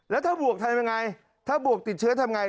แล้วถ้าบวกทำยังไงถ้าบวกติดเชื้อทำไง